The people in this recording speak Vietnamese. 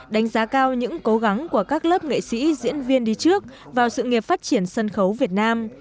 đánh giá cao những cố gắng của các lớp nghệ sĩ diễn viên đi trước vào sự nghiệp phát triển sân khấu việt nam